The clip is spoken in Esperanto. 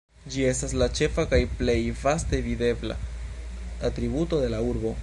Ĝi estas la ĉefa kaj plej vaste videbla atributo de la urbo.